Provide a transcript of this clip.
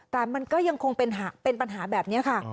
แต่มันก็ยังคงเป็นปัญหาแบบนี้ค่ะ